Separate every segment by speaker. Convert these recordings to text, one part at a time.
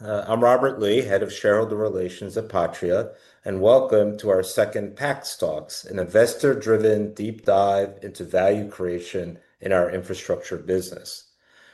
Speaker 1: I'm Robert Lee, Head of Shareholder Relations at Patria, and welcome to our second PaxTalks, an investor-driven deep dive into value creation in our infrastructure business.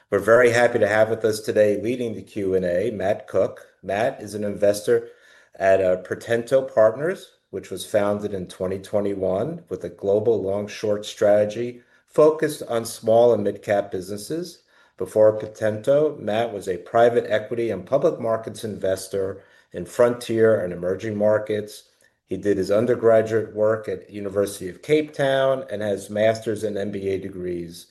Speaker 1: We're very happy to have with us today, leading the Q&A, Matt Cook. Matt is an investor at Protégé Partners, which was founded in 2021 with a global long-short strategy focused on small and mid-cap businesses. Before Protégé, Matt was a private equity and public markets investor in frontier and emerging markets. He did his undergraduate work at the University of Cape Town and has master's and MBA degrees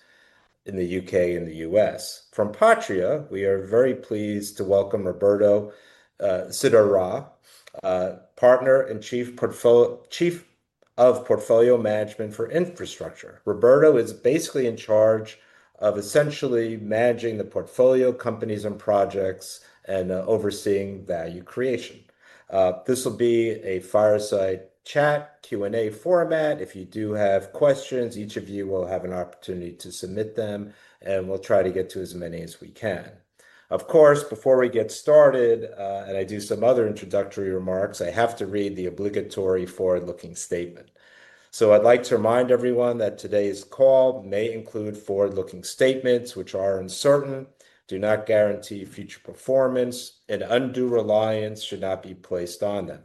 Speaker 1: in the U.K. and the U.S. From Patria, we are very pleased to welcome Roberto Sidarra, Partner and Chief of Portfolio Management for Infrastructure. Roberto is basically in charge of essentially managing the portfolio, companies, and projects, and overseeing value creation. This will be a fireside chat Q&A format. If you do have questions, each of you will have an opportunity to submit them, and we'll try to get to as many as we can. Of course, before we get started, and I do some other introductory remarks, I have to read the obligatory forward-looking statement. I would like to remind everyone that today's call may include forward-looking statements, which are uncertain, do not guarantee future performance, and undue reliance should not be placed on them.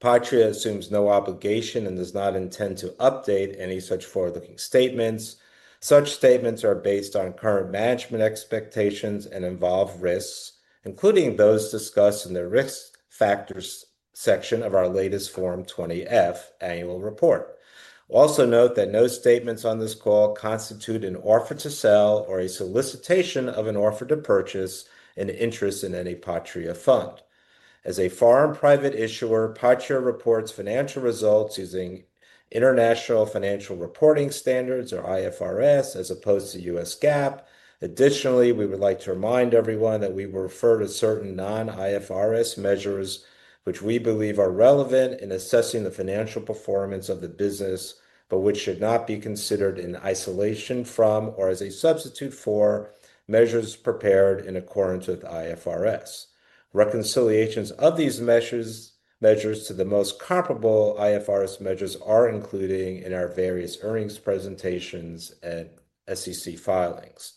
Speaker 1: Patria assumes no obligation and does not intend to update any such forward-looking statements. Such statements are based on current management expectations and involve risks, including those discussed in the risk factors section of our latest Form 20F annual report. Also note that no statements on this call constitute an offer to sell or a solicitation of an offer to purchase an interest in any Patria fund. As a foreign private issuer, Patria reports financial results using International Financial Reporting Standards, or IFRS, as opposed to U.S. GAAP. Additionally, we would like to remind everyone that we will refer to certain non-IFRS measures, which we believe are relevant in assessing the financial performance of the business, but which should not be considered in isolation from or as a substitute for measures prepared in accordance with IFRS. Reconciliations of these measures to the most comparable IFRS measures are included in our various earnings presentations and SEC filings.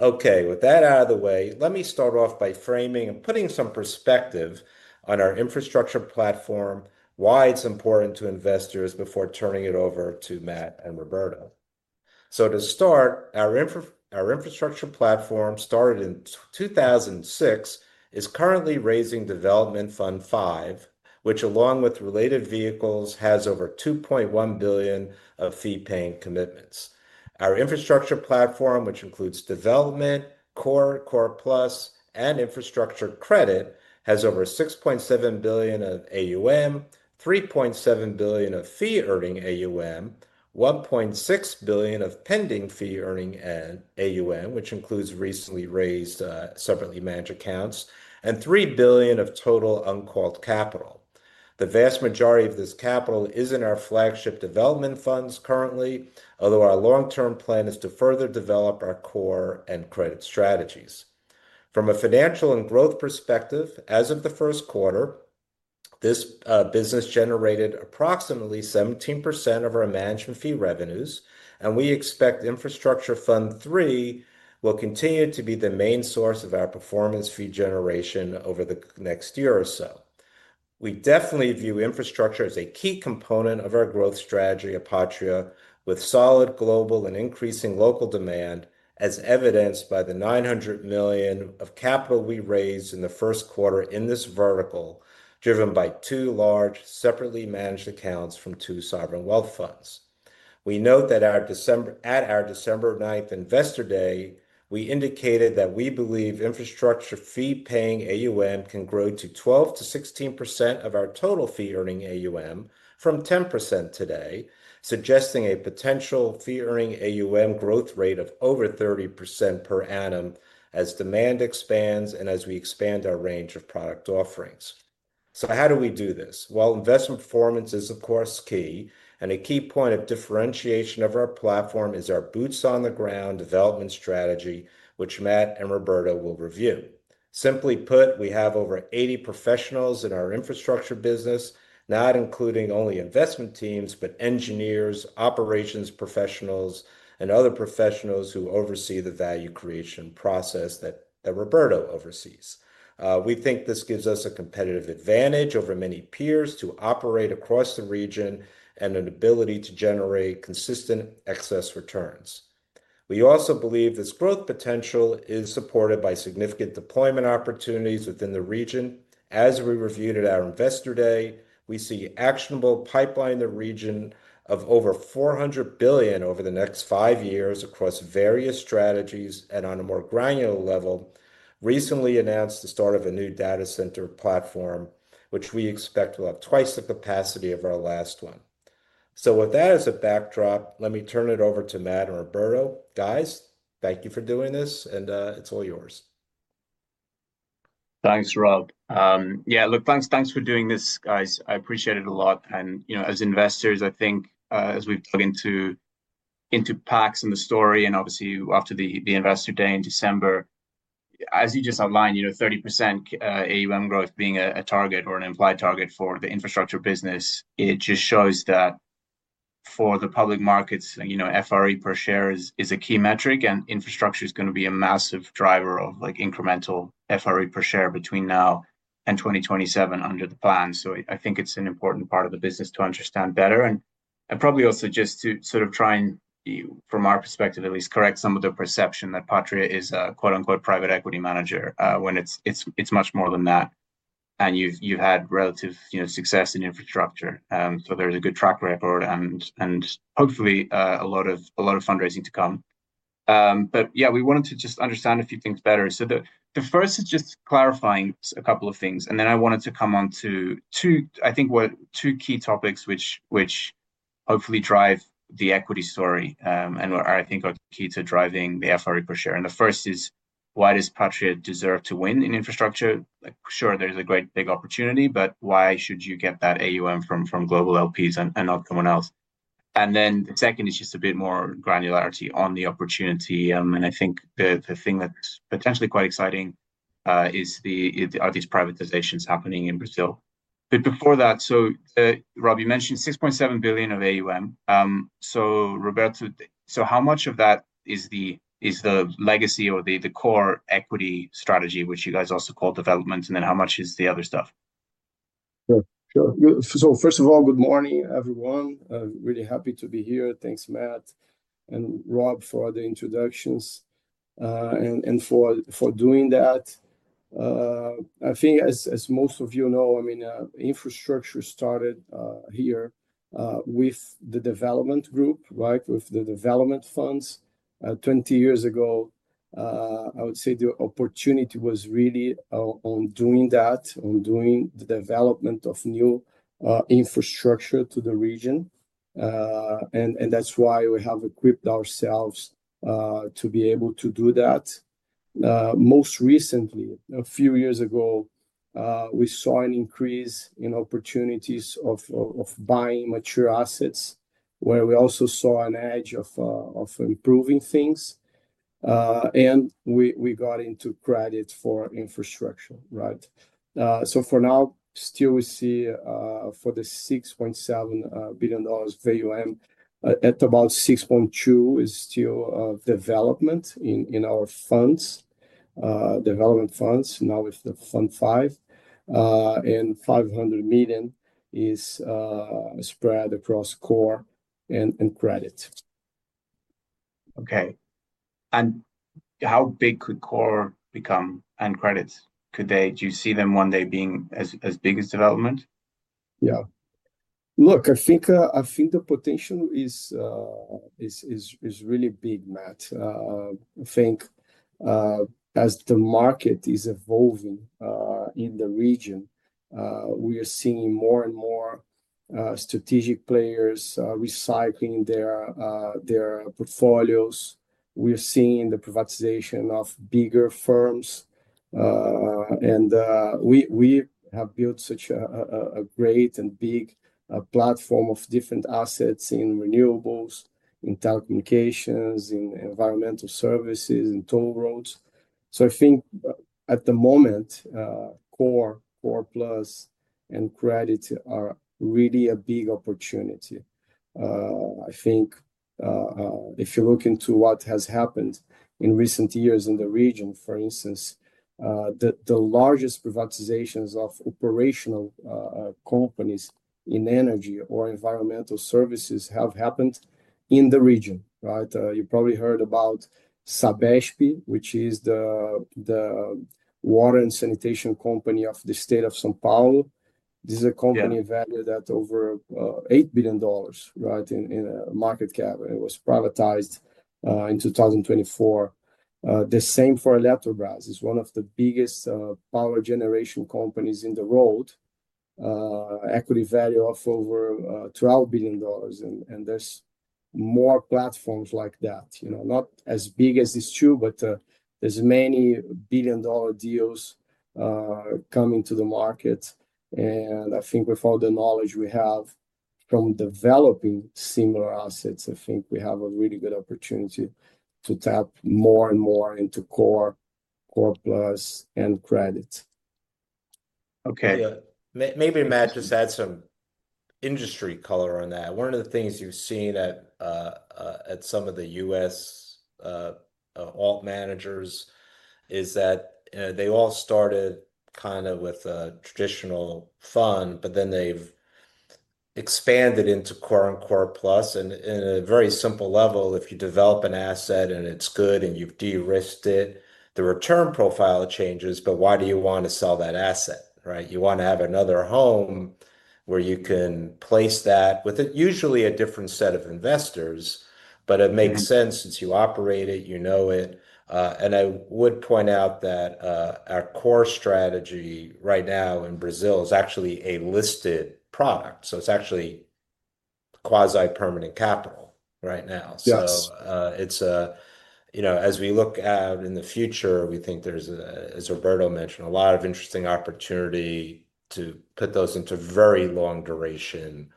Speaker 1: Okay, with that out of the way, let me start off by framing and putting some perspective on our infrastructure platform, why it's important to investors before turning it over to Matt and Roberto. To start, our infrastructure platform started in 2006, is currently raising Development Fund 5, which, along with related vehicles, has over $2.1 billion of fee-paying commitments. Our infrastructure platform, which includes development, core, core plus, and infrastructure credit, has over $6.7 billion of AUM, $3.7 billion of fee-earning AUM, $1.6 billion of pending fee-earning AUM, which includes recently raised separately managed accounts, and $3 billion of total uncalled capital. The vast majority of this capital is in our flagship development funds currently, although our long-term plan is to further develop our core and credit strategies. From a financial and growth perspective, as of the first quarter, this business generated approximately 17% of our management fee revenues, and we expect infrastructure fund 3 will continue to be the main source of our performance fee generation over the next year or so. We definitely view infrastructure as a key component of our growth strategy at Patria, with solid global and increasing local demand, as evidenced by the $900 million of capital we raised in the first quarter in this vertical, driven by two large separately managed accounts from two sovereign wealth funds. We note that at our December 9th Investor Day, we indicated that we believe infrastructure fee-earning AUM can grow to 12%-16% of our total fee-earning AUM from 10% today, suggesting a potential fee-earning AUM growth rate of over 30% per annum as demand expands and as we expand our range of product offerings. How do we do this? Investment performance is, of course, key, and a key point of differentiation of our platform is our boots-on-the-ground development strategy, which Matt and Roberto will review. Simply put, we have over 80 professionals in our infrastructure business, not including only investment teams, but engineers, operations professionals, and other professionals who oversee the value creation process that Roberto oversees. We think this gives us a competitive advantage over many peers to operate across the region and an ability to generate consistent excess returns. We also believe this growth potential is supported by significant deployment opportunities within the region. As we reviewed at our Investor Day, we see actionable pipeline in the region of over $400 billion over the next five years across various strategies and on a more granular level, recently announced the start of a new data center platform, which we expect will have twice the capacity of our last one. With that as a backdrop, let me turn it over to Matt and Roberto. Guys, thank you for doing this, and it's all yours.
Speaker 2: Thanks, Rob. Yeah, look, thanks for doing this, guys. I appreciate it a lot. And you know, as investors, I think as we've plugged into Pax and the story, and obviously after the Investor Day in December, as you just outlined, you know, 30% AUM growth being a target or an implied target for the infrastructure business, it just shows that for the public markets, you know, FRE per share is a key metric, and infrastructure is going to be a massive driver of incremental FRE per share between now and 2027 under the plan. I think it's an important part of the business to understand better. And probably also just to sort of try and, from our perspective at least, correct some of the perception that Patria is a "private equity manager" when it's much more than that. And you've had relative success in infrastructure. There's a good track record and hopefully a lot of fundraising to come. Yeah, we wanted to just understand a few things better. The first is just clarifying a couple of things, and then I wanted to come on to two, I think, two key topics which hopefully drive the equity story and I think are key to driving the FRE per share. The first is, why does Patria deserve to win in infrastructure? Sure, there's a great big opportunity, but why should you get that AUM from global LPs and not someone else? The second is just a bit more granularity on the opportunity. I think the thing that's potentially quite exciting is, are these privatizations happening in Brazil? Before that, Rob, you mentioned $6.7 billion of AUM. Roberto, how much of that is the legacy or the core equity strategy, which you guys also call development, and then how much is the other stuff?
Speaker 3: Sure. First of all, good morning, everyone. Really happy to be here. Thanks, Matt and Rob, for the introductions and for doing that. I think as most of you know, I mean, infrastructure started here with the development group, right, with the development funds. 20 years ago, I would say the opportunity was really on doing that, on doing the development of new infrastructure to the region. That is why we have equipped ourselves to be able to do that. Most recently, a few years ago, we saw an increase in opportunities of buying mature assets, where we also saw an edge of improving things. We got into credit for infrastructure, right? For now, still we see for the $6.7 billion AUM, about $6.2 billion is still development in our funds, development funds, now with the Development Fund 5. $500 million is spread across core and credit.
Speaker 2: Okay. How big could core become and credits? Could they, do you see them one day being as big as development?
Speaker 3: Yeah. Look, I think the potential is really big, Matt. I think as the market is evolving in the region, we are seeing more and more strategic players recycling their portfolios. We are seeing the privatization of bigger firms. We have built such a great and big platform of different assets in renewables, in telecommunications, in environmental services, in toll roads. I think at the moment, core, core plus, and credit are really a big opportunity. I think if you look into what has happened in recent years in the region, for instance, the largest privatizations of operational companies in energy or environmental services have happened in the region, right? You probably heard about Sabesp, which is the water and sanitation company of the state of São Paulo. This is a company valued at over $8 billion, right, in market cap. It was privatized in 2024. The same for Eletrobras. It's one of the biggest power generation companies in the world. Equity value of over $12 billion. There are more platforms like that. Not as big, it's true, but there are many billion-dollar deals coming to the market. I think with all the knowledge we have from developing similar assets, I think we have a really good opportunity to tap more and more into core, core plus, and credit.
Speaker 1: Okay. Maybe Matt just adds some industry color on that. One of the things you've seen at some of the U.S. alt managers is that they all started kind of with a traditional fund, but then they've expanded into core and core plus. At a very simple level, if you develop an asset and it's good and you've de-risked it, the return profile changes, but why do you want to sell that asset, right? You want to have another home where you can place that with usually a different set of investors, but it makes sense since you operate it, you know it. I would point out that our core strategy right now in Brazil is actually a listed product. It's actually quasi-permanent capital right now. As we look out in the future, we think there's, as Roberto mentioned, a lot of interesting opportunity to put those into very long duration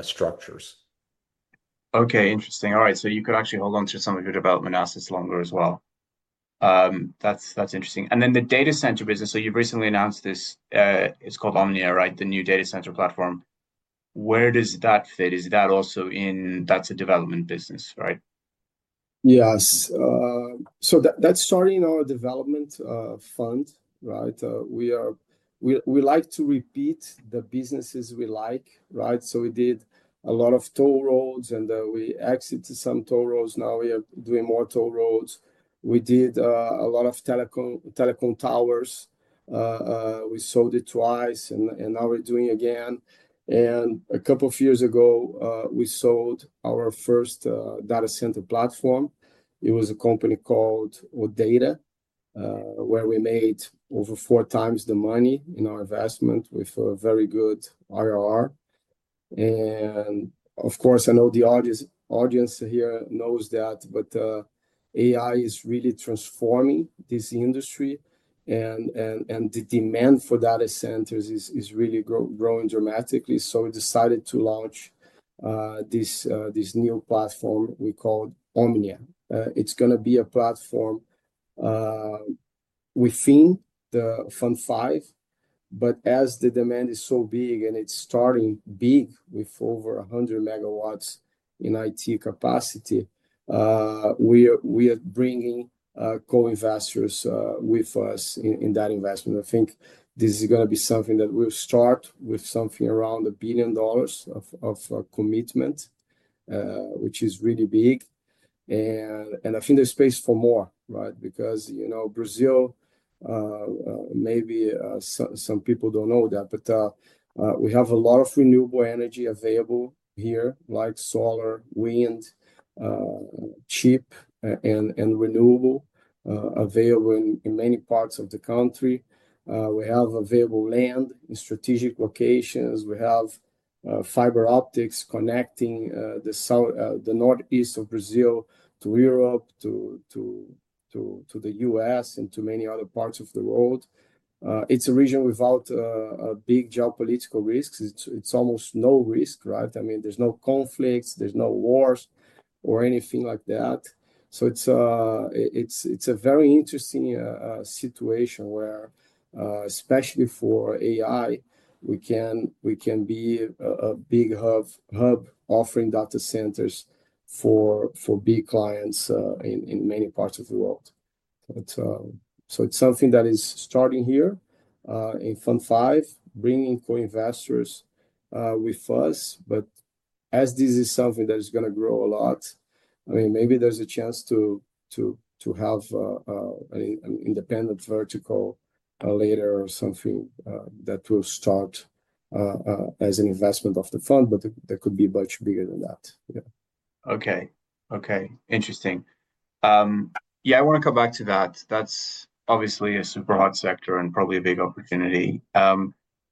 Speaker 1: structures.
Speaker 2: Okay, interesting. All right. You could actually hold on to some of your development assets longer as well. That's interesting. The data center business, you've recently announced this, it's called Omnia, right? The new data center platform. Where does that fit? Is that also in, that's a development business, right?
Speaker 3: Yes. So that's starting our development fund, right? We like to repeat the businesses we like, right? We did a lot of toll roads and we exited some toll roads. Now we are doing more toll roads. We did a lot of telecom towers. We sold it twice and now we're doing again. A couple of years ago, we sold our first data center platform. It was a company called OData, where we made over four times the money in our investment with a very good IRR. Of course, I know the audience here knows that, but AI is really transforming this industry and the demand for data centers is really growing dramatically. We decided to launch this new platform we called Omnia. It's going to be a platform within the Development Fund 5, but as the demand is so big and it's starting big with over 100 MW in IT capacity, we are bringing co-investors with us in that investment. I think this is going to be something that will start with something around $1 billion of commitment, which is really big. I think there's space for more, right? Because Brazil, maybe some people don't know that, but we have a lot of renewable energy available here, like solar, wind, cheap, and renewable available in many parts of the country. We have available land in strategic locations. We have fiber optics connecting the northeast of Brazil to Europe, to the U.S., and to many other parts of the world. It's a region without big geopolitical risks. It's almost no risk, right? I mean, there's no conflicts, there's no wars or anything like that. It is a very interesting situation where, especially for AI, we can be a big hub offering data centers for big clients in many parts of the world. It is something that is starting here in fund 5, bringing co-investors with us. As this is something that is going to grow a lot, I mean, maybe there's a chance to have an independent vertical later or something that will start as an investment of the fund, but that could be much bigger than that.
Speaker 2: Okay. Okay. Interesting. Yeah, I want to come back to that. That's obviously a super hot sector and probably a big opportunity.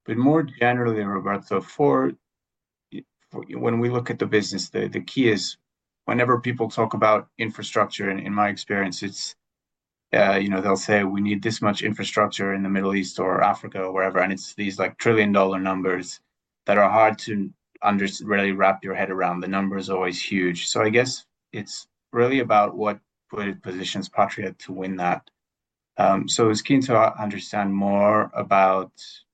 Speaker 2: More generally, Roberto, when we look at the business, the key is whenever people talk about infrastructure, in my experience, they'll say, "We need this much infrastructure in the Middle East or Africa," or wherever. It's these trillion-dollar numbers that are hard to really wrap your head around. The number is always huge. I guess it's really about what positions Patria to win that. I was keen to understand more about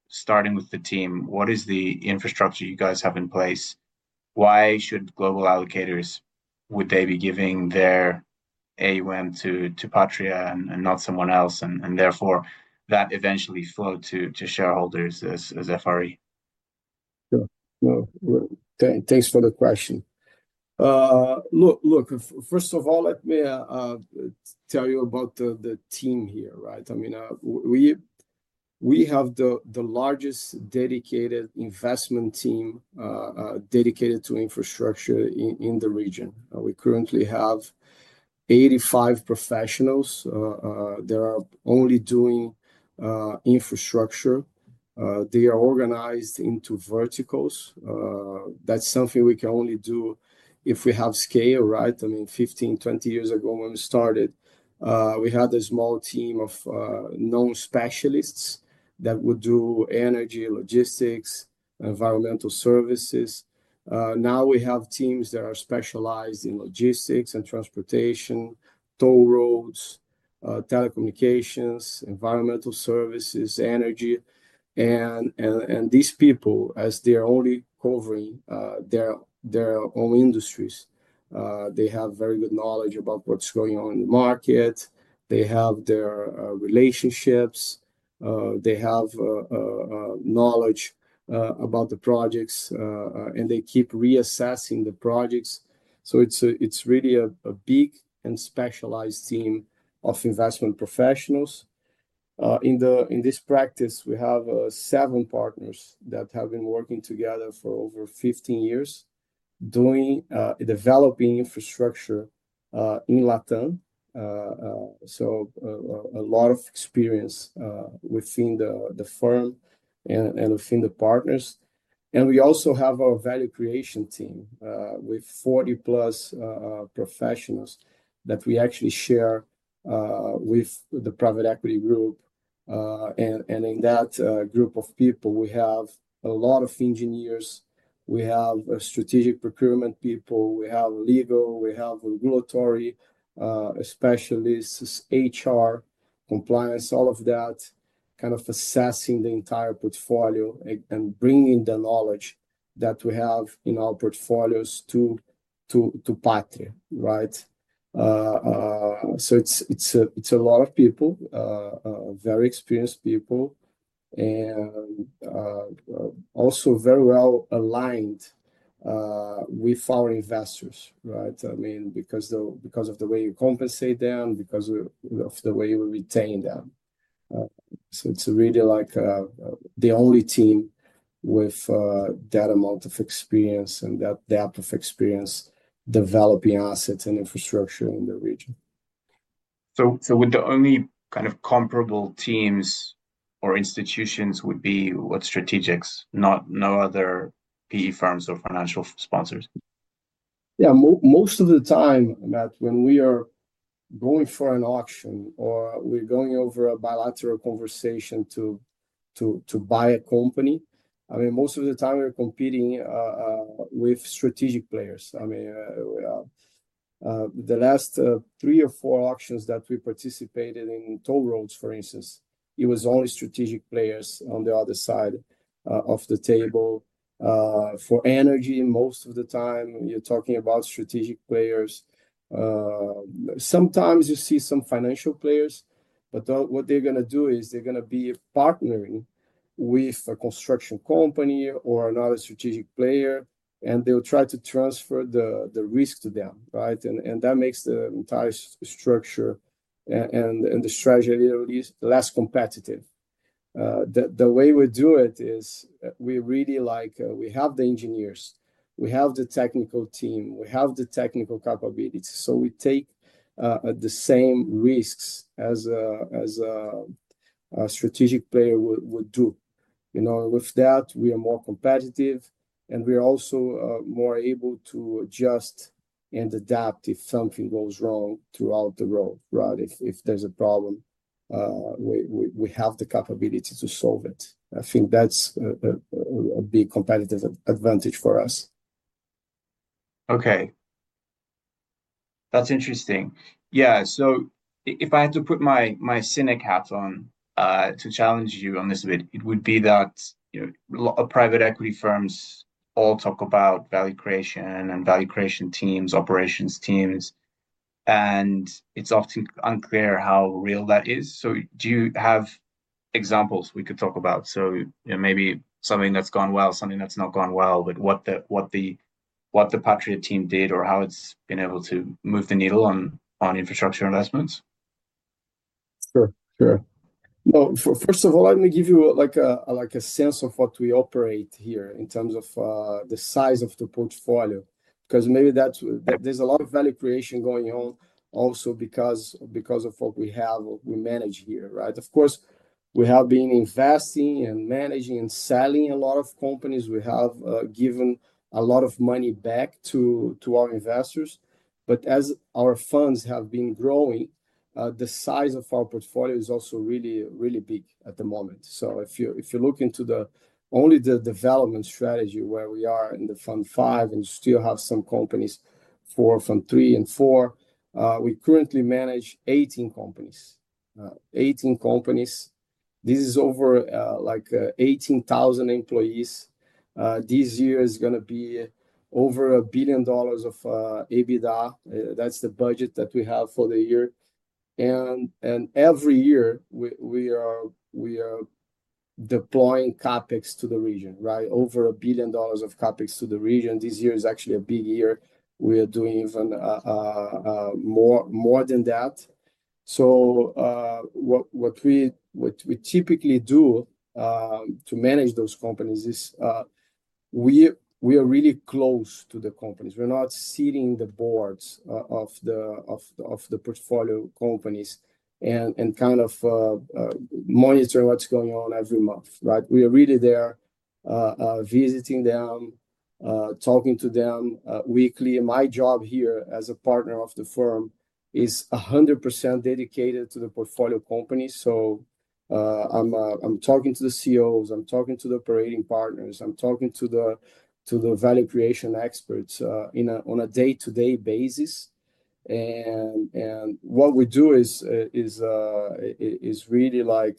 Speaker 2: starting with the team. What is the infrastructure you guys have in place? Why should global allocators, would they be giving their AUM to Patria and not someone else? Therefore, that eventually flow to shareholders as FRE?
Speaker 3: Sure. Thanks for the question. Look, first of all, let me tell you about the team here, right? I mean, we have the largest dedicated investment team dedicated to infrastructure in the region. We currently have 85 professionals that are only doing infrastructure. They are organized into verticals. That's something we can only do if we have scale, right? I mean, 15-20 years ago when we started, we had a small team of known specialists that would do energy, logistics, environmental services. Now we have teams that are specialized in logistics and transportation, toll roads, telecommunications, environmental services, energy. And these people, as they're only covering their own industries, they have very good knowledge about what's going on in the market. They have their relationships. They have knowledge about the projects, and they keep reassessing the projects. So it's really a big and specialized team of investment professionals. In this practice, we have seven partners that have been working together for over 15 years developing infrastructure in Latin. So a lot of experience within the firm and within the partners. We also have our value creation team with 40+ professionals that we actually share with the private equity group. In that group of people, we have a lot of engineers. We have strategic procurement people. We have legal. We have regulatory specialists, HR, compliance, all of that, kind of assessing the entire portfolio and bringing the knowledge that we have in our portfolios to Patria, right? It is a lot of people, very experienced people, and also very well aligned with our investors, right? I mean, because of the way you compensate them, because of the way we retain them. It's really like the only team with that amount of experience and that depth of experience developing assets and infrastructure in the region.
Speaker 2: Would the only kind of comparable teams or institutions be what, strategics, no other PE firms or financial sponsors?
Speaker 3: Yeah. Most of the time, Matt, when we are going for an auction or we're going over a bilateral conversation to buy a company, I mean, most of the time we're competing with strategic players. I mean, the last three or four auctions that we participated in toll roads, for instance, it was only strategic players on the other side of the table. For energy, most of the time you're talking about strategic players. Sometimes you see some financial players, but what they're going to do is they're going to be partnering with a construction company or another strategic player, and they'll try to transfer the risk to them, right? That makes the entire structure and the strategy at least less competitive. The way we do it is we really like, we have the engineers, we have the technical team, we have the technical capabilities. We take the same risks as a strategic player would do. With that, we are more competitive, and we are also more able to adjust and adapt if something goes wrong throughout the road, right? If there's a problem, we have the capability to solve it. I think that's a big competitive advantage for us.
Speaker 2: Okay. That's interesting. Yeah. If I had to put my cynic hat on to challenge you on this a bit, it would be that private equity firms all talk about value creation and value creation teams, operations teams, and it's often unclear how real that is. Do you have examples we could talk about? Maybe something that's gone well, something that's not gone well, but what the Patria team did or how it's been able to move the needle on infrastructure investments?
Speaker 3: Sure. Sure. First of all, let me give you a sense of what we operate here in terms of the size of the portfolio, because maybe there is a lot of value creation going on also because of what we have or we manage here, right? Of course, we have been investing and managing and selling a lot of companies. We have given a lot of money back to our investors. As our funds have been growing, the size of our portfolio is also really, really big at the moment. If you look into only the development strategy where we are in the Fund 5 and still have some companies for Fund 3 and 4, we currently manage 18 companies. Eighteen companies. This is over 18,000 employees. This year is going to be over $1 billion of EBITDA. That is the budget that we have for the year. Every year we are deploying CapEx to the region, right? Over $1 billion of CapEx to the region. This year is actually a big year. We are doing even more than that. What we typically do to manage those companies is we are really close to the companies. We're not sitting in the boards of the portfolio companies and kind of monitoring what's going on every month, right? We are really there visiting them, talking to them weekly. My job here as a Partner of the firm is 100% dedicated to the portfolio company. I'm talking to the CEOs, I'm talking to the operating partners, I'm talking to the value creation experts on a day-to-day basis. What we do is really like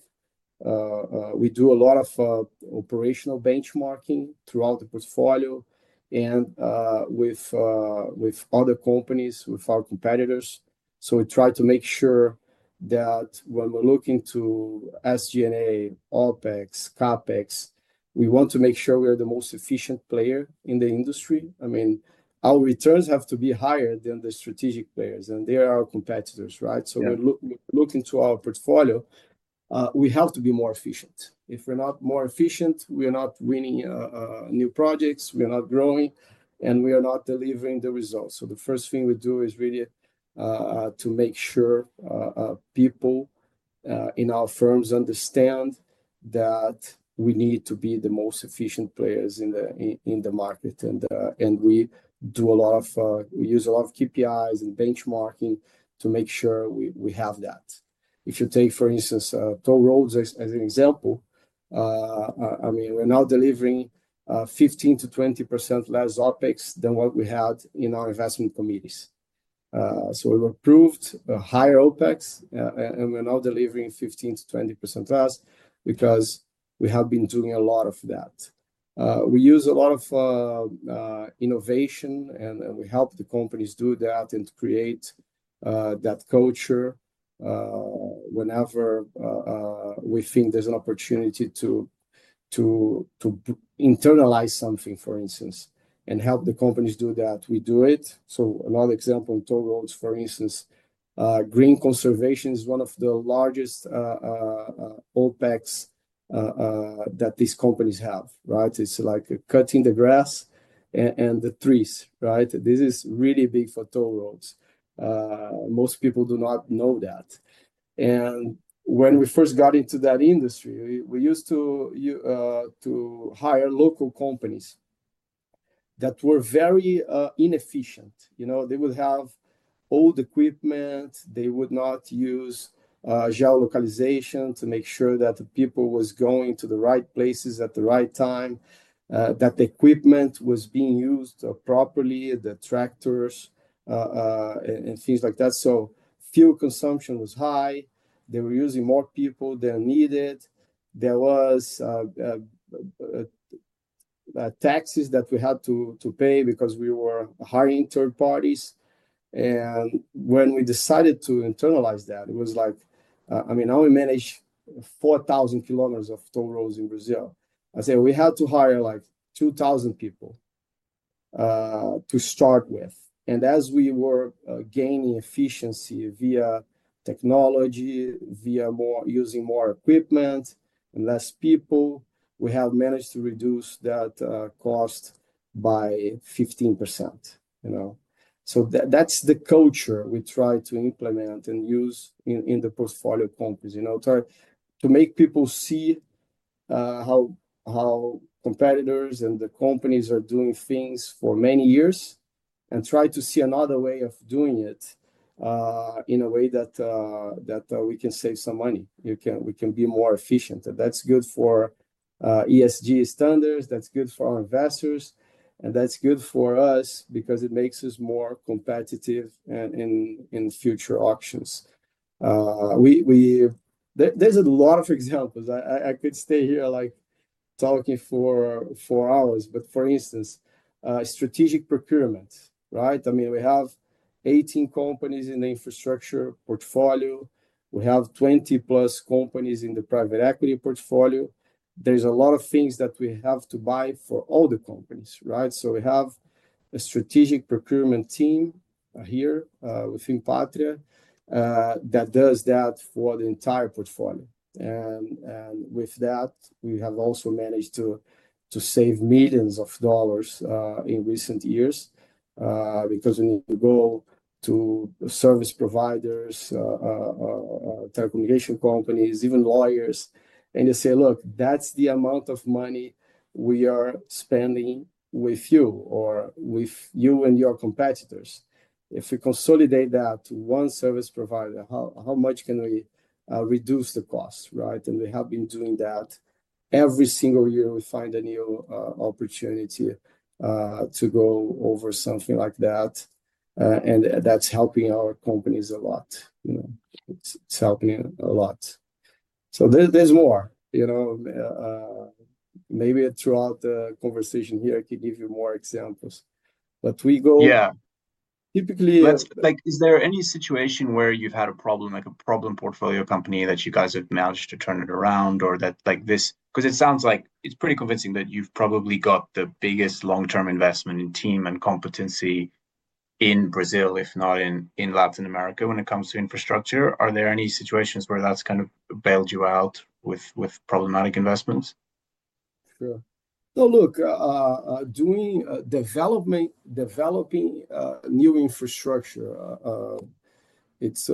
Speaker 3: we do a lot of operational benchmarking throughout the portfolio and with other companies, with our competitors. We try to make sure that when we're looking to SG&A, OPEX, CapEx, we want to make sure we are the most efficient player in the industry. I mean, our returns have to be higher than the strategic players, and they are our competitors, right? We're looking to our portfolio. We have to be more efficient. If we're not more efficient, we are not winning new projects, we are not growing, and we are not delivering the results. The first thing we do is really to make sure people in our firms understand that we need to be the most efficient players in the market. We use a lot of KPIs and benchmarking to make sure we have that. If you take, for instance, toll roads as an example, I mean, we're now delivering 15%-20% less OPEX than what we had in our investment committees. So we were approved higher OPEX, and we're now delivering 15%-20% less because we have been doing a lot of that. We use a lot of innovation, and we help the companies do that and create that culture whenever we think there's an opportunity to internalize something, for instance, and help the companies do that. We do it. Another example in toll roads, for instance, green conservation is one of the largest OPEX that these companies have, right? It's like cutting the grass and the trees, right? This is really big for toll roads. Most people do not know that. When we first got into that industry, we used to hire local companies that were very inefficient. They would have old equipment. They would not use geolocalization to make sure that the people were going to the right places at the right time, that the equipment was being used properly, the tractors and things like that. Fuel consumption was high. They were using more people than needed. There were taxes that we had to pay because we were hiring third parties. When we decided to internalize that, it was like, I mean, now we manage 4,000 kilometers of toll roads in Brazil. I say we had to hire like 2,000 people to start with. As we were gaining efficiency via technology, via using more equipment and less people, we have managed to reduce that cost by 15%. That's the culture we try to implement and use in the portfolio companies to make people see how competitors and the companies are doing things for many years and try to see another way of doing it in a way that we can save some money. We can be more efficient. That's good for ESG standards. That's good for our investors. That's good for us because it makes us more competitive in future auctions. There are a lot of examples. I could stay here like talking for hours. For instance, strategic procurement, right? I mean, we have 18 companies in the infrastructure portfolio. We have 20+ companies in the private equity portfolio. There are a lot of things that we have to buy for all the companies, right? We have a strategic procurement team here within Patria that does that for the entire portfolio. With that, we have also managed to save millions of dollars in recent years because when you go to service providers, telecommunication companies, even lawyers, and you say, "Look, that's the amount of money we are spending with you or with you and your competitors. If we consolidate that to one service provider, how much can we reduce the cost, right?" We have been doing that every single year. We find a new opportunity to go over something like that. That is helping our companies a lot. It is helping a lot. There is more. Maybe throughout the conversation here, I could give you more examples. We go.
Speaker 2: Yeah. Is there any situation where you've had a problem, like a problem portfolio company that you guys have managed to turn it around or that like this? Because it sounds like it's pretty convincing that you've probably got the biggest long-term investment in team and competency in Brazil, if not in Latin America when it comes to infrastructure. Are there any situations where that's kind of bailed you out with problematic investments?
Speaker 3: Sure. No, look, doing developing new infrastructure, it's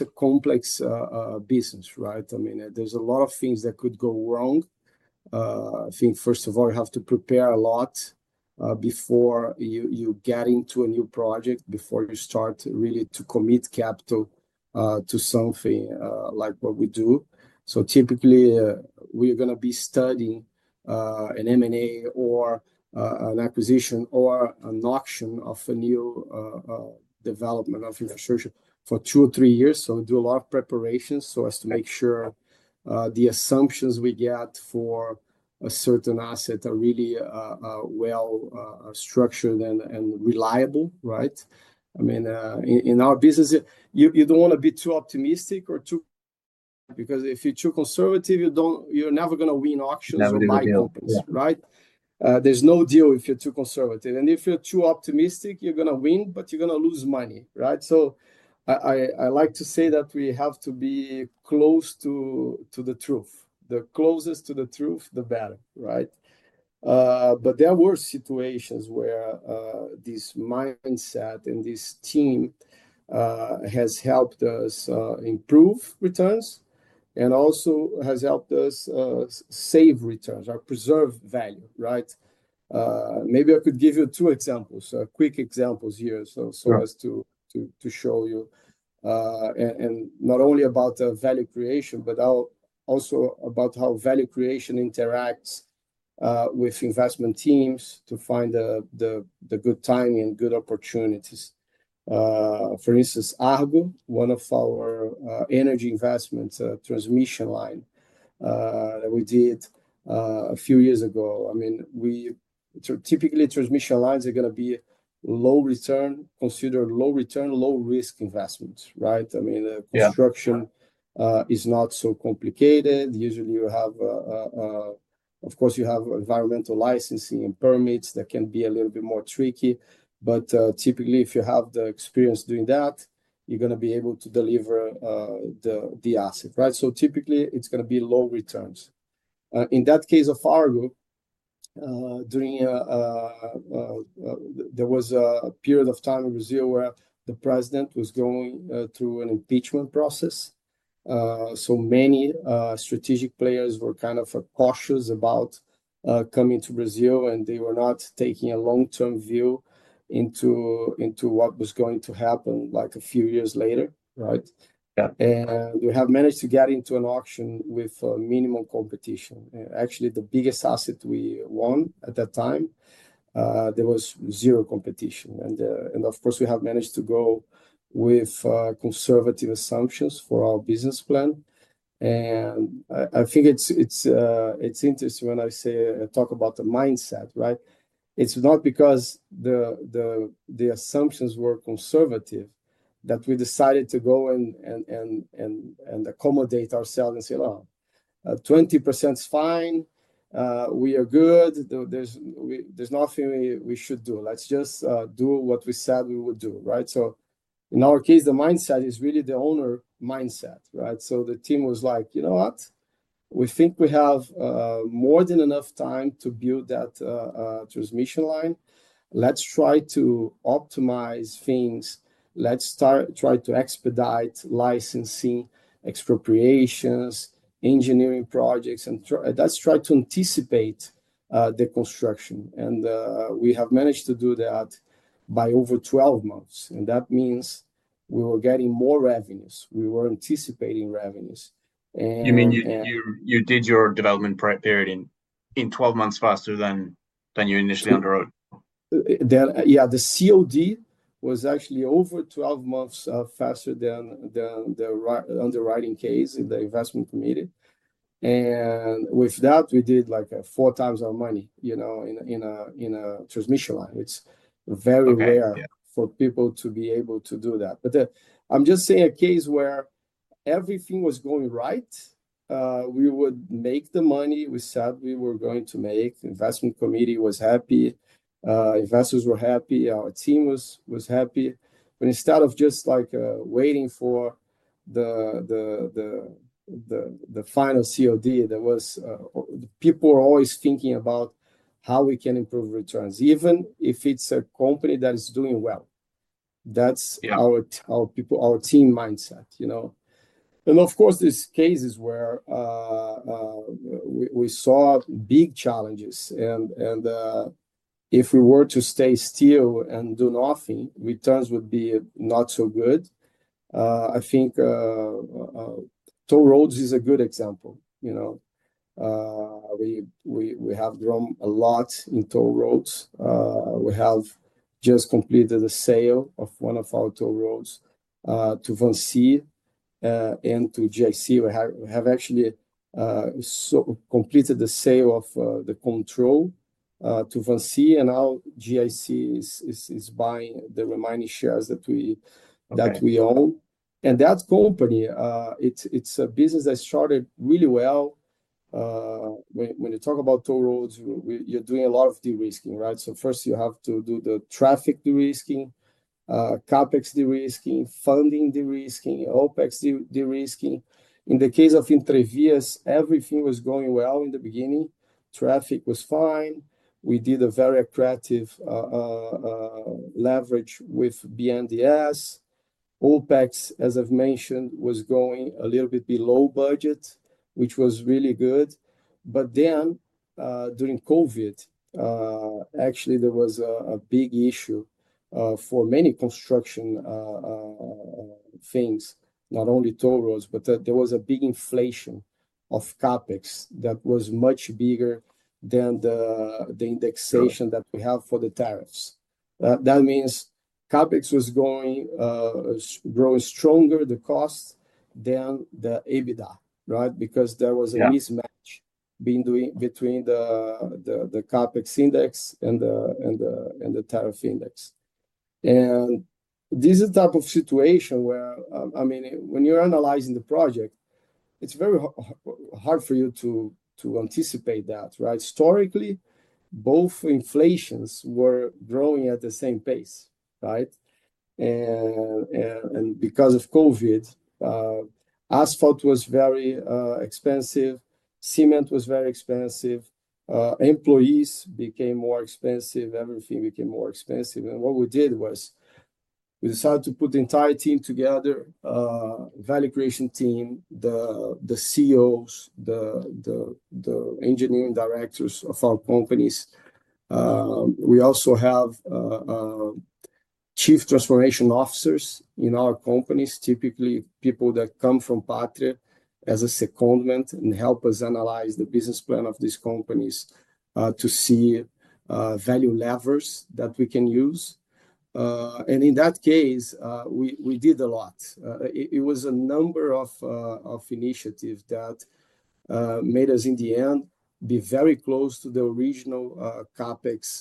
Speaker 3: a complex business, right? I mean, there's a lot of things that could go wrong. I think, first of all, you have to prepare a lot before you get into a new project, before you start really to commit capital to something like what we do. Typically, we are going to be studying an M&A or an acquisition or an auction of a new development of infrastructure for two or three years. We do a lot of preparations so as to make sure the assumptions we get for a certain asset are really well structured and reliable, right? I mean, in our business, you don't want to be too optimistic or too because if you're too conservative, you're never going to win auctions with big companies, right? There's no deal if you're too conservative. If you're too optimistic, you're going to win, but you're going to lose money, right? I like to say that we have to be close to the truth. The closer to the truth, the better, right? There were situations where this mindset and this team has helped us improve returns and also has helped us save returns or preserve value, right? Maybe I could give you two examples, quick examples here so as to show you, and not only about value creation, but also about how value creation interacts with investment teams to find the good timing and good opportunities. For instance, Argo, one of our energy investment transmission lines that we did a few years ago. I mean, typically, transmission lines are going to be low-return, considered low-return, low-risk investments, right? I mean, construction is not so complicated. Usually, you have, of course, you have environmental licensing and permits that can be a little bit more tricky. But typically, if you have the experience doing that, you're going to be able to deliver the asset, right? Typically, it's going to be low returns. In that case of Argo, there was a period of time in Brazil where the president was going through an impeachment process. Many strategic players were kind of cautious about coming to Brazil, and they were not taking a long-term view into what was going to happen like a few years later, right? We have managed to get into an auction with minimal competition. Actually, the biggest asset we won at that time, there was zero competition. Of course, we have managed to go with conservative assumptions for our business plan. I think it's interesting when I talk about the mindset, right? It's not because the assumptions were conservative that we decided to go and accommodate ourselves and say, "Oh, 20% is fine. We are good. There's nothing we should do. Let's just do what we said we would do," right? In our case, the mindset is really the owner mindset, right? The team was like, "You know what? We think we have more than enough time to build that transmission line. Let's try to optimize things. Let's try to expedite licensing, expropriations, engineering projects, and let's try to anticipate the construction." We have managed to do that by over 12 months. That means we were getting more revenues. We were anticipating revenues.
Speaker 2: You mean you did your development period in 12 months faster than you initially underwrote?
Speaker 3: Yeah. The COD was actually over 12 months faster than the underwriting case in the investment committee. And with that, we did like four times our money in a transmission line. It's very rare for people to be able to do that. I'm just saying a case where everything was going right. We would make the money we said we were going to make. The investment committee was happy. Investors were happy. Our team was happy. Instead of just waiting for the final COD, people were always thinking about how we can improve returns, even if it's a company that is doing well. That's our team mindset. Of course, there's cases where we saw big challenges. If we were to stay still and do nothing, returns would be not so good. I think toll roads is a good example. We have grown a lot in toll roads. We have just completed the sale of one of our toll roads to Vinci and to GIC. We have actually completed the sale of the control to Vinci, and now GIC is buying the remaining shares that we own. That company, it's a business that started really well. When you talk about toll roads, you're doing a lot of derisking, right? First, you have to do the traffic derisking, CapEx derisking, funding derisking, Opex derisking. In the case of Entrevias, everything was going well in the beginning. Traffic was fine. We did a very attractive leverage with BNDES. Opex, as I've mentioned, was going a little bit below budget, which was really good. During COVID, actually, there was a big issue for many construction things, not only toll roads, but there was a big inflation of CapEx that was much bigger than the indexation that we have for the tariffs. That means CapEx was growing stronger, the cost, than the EBITDA, right? Because there was a mismatch between the CapEx index and the tariff index. This is the type of situation where, I mean, when you're analyzing the project, it's very hard for you to anticipate that, right? Historically, both inflations were growing at the same pace, right? Because of COVID, asphalt was very expensive. Cement was very expensive. Employees became more expensive. Everything became more expensive. What we did was we decided to put the entire team together, value creation team, the CEOs, the engineering directors of our companies. We also have Chief Transformation Officers in our companies, typically people that come from Patria as a secondment and help us analyze the business plan of these companies to see value levers that we can use. In that case, we did a lot. It was a number of initiatives that made us, in the end, be very close to the original CapEx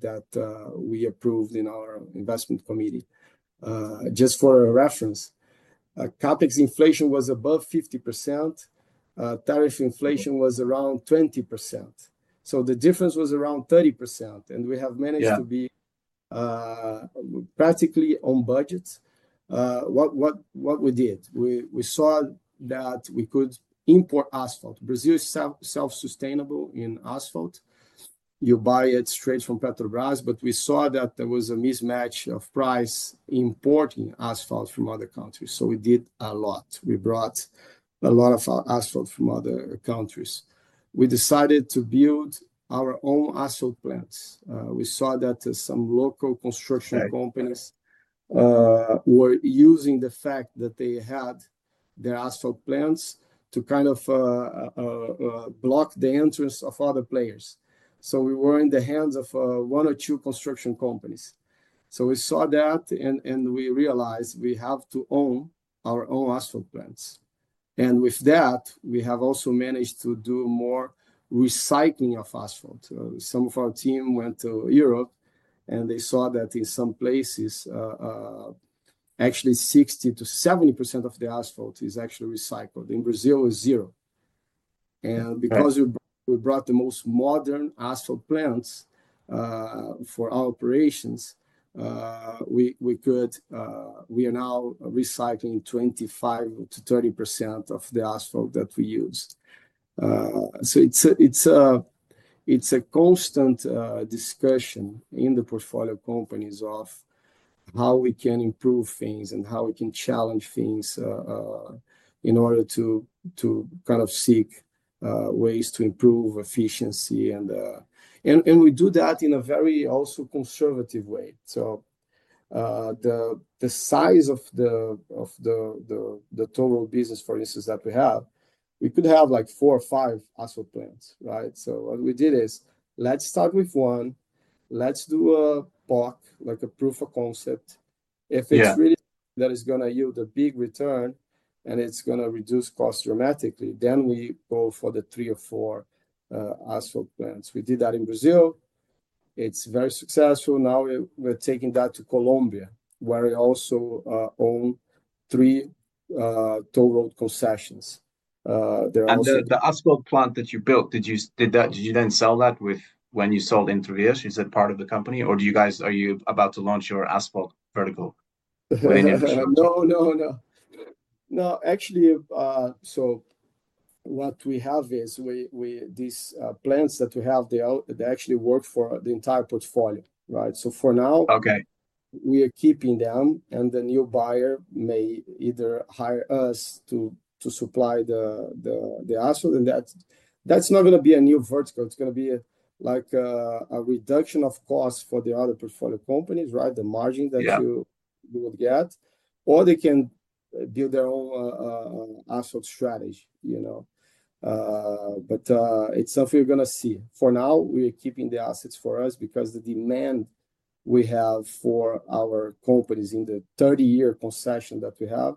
Speaker 3: that we approved in our investment committee. Just for reference, CapEx inflation was above 50%. Tariff inflation was around 20%. The difference was around 30%. We have managed to be practically on budget. What we did, we saw that we could import asphalt. Brazil is self-sustainable in asphalt. You buy it straight from Petrobras. We saw that there was a mismatch of price importing asphalt from other countries. We did a lot. We brought a lot of asphalt from other countries. We decided to build our own asphalt plants. We saw that some local construction companies were using the fact that they had their asphalt plants to kind of block the entrance of other players. We were in the hands of one or two construction companies. We saw that, and we realized we have to own our own asphalt plants. With that, we have also managed to do more recycling of asphalt. Some of our team went to Europe, and they saw that in some places, actually 60%-70% of the asphalt is actually recycled. In Brazil, it was zero. Because we brought the most modern asphalt plants for our operations, we are now recycling 25%-30% of the asphalt that we use. It's a constant discussion in the portfolio companies of how we can improve things and how we can challenge things in order to kind of seek ways to improve efficiency. We do that in a very also conservative way. The size of the total business, for instance, that we have, we could have like four or five asphalt plants, right? What we did is let's start with one. Let's do a POC, like a proof of concept. If it's really that it's going to yield a big return and it's going to reduce costs dramatically, then we go for the three or four asphalt plants. We did that in Brazil. It's very successful. Now we're taking that to Colombia, where we also own three toll road concessions.
Speaker 2: The asphalt plant that you built, did you then sell that when you sold Entrevias? Is that part of the company? Are you about to launch your asphalt vertical?
Speaker 3: No, no, no. No, actually, so what we have is these plants that we have, they actually work for the entire portfolio, right? For now, we are keeping them, and the new buyer may either hire us to supply the asphalt. That's not going to be a new vertical. It's going to be like a reduction of costs for the other portfolio companies, right? The margin that you would get. Or they can build their own asphalt strategy. It's something you're going to see. For now, we are keeping the assets for us because the demand we have for our companies in the 30-year concession that we have,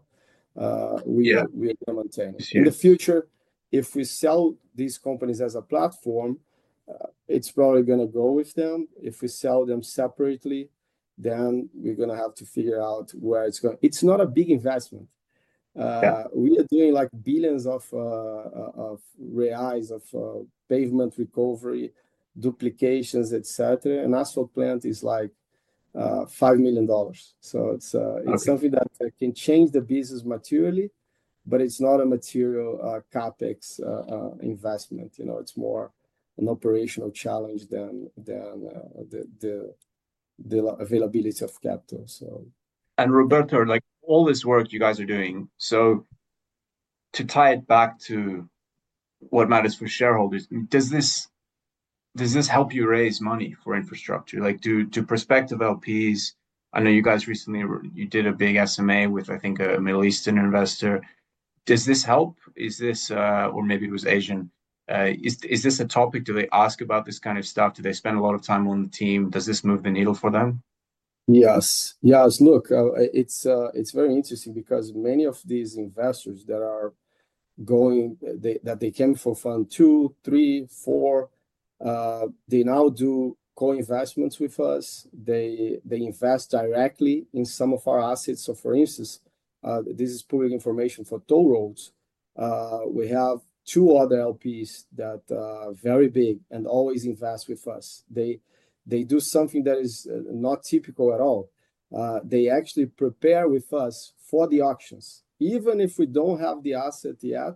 Speaker 3: we are going to maintain. In the future, if we sell these companies as a platform, it's probably going to go with them. If we sell them separately, then we're going to have to figure out where it's going. It's not a big investment. We are doing like billions of Brazilian Real of pavement recovery, duplications, etc. An asphalt plant is like $5 million. It is something that can change the business materially, but it is not a material CapEx investment. It is more an operational challenge than the availability of capital, so.
Speaker 2: Roberto, all this work you guys are doing, to tie it back to what matters for shareholders, does this help you raise money for infrastructure? To prospective LPs, I know you guys recently did a big SMA with, I think, a Middle Eastern investor. Does this help? Or maybe it was Asian. Is this a topic? Do they ask about this kind of stuff? Do they spend a lot of time on the team? Does this move the needle for them?
Speaker 3: Yes. Yes. Look, it's very interesting because many of these investors that are going, that they came for fund two, three, four, they now do co-investments with us. They invest directly in some of our assets. For instance, this is public information for toll roads. We have two other LPs that are very big and always invest with us. They do something that is not typical at all. They actually prepare with us for the auctions. Even if we do not have the asset yet,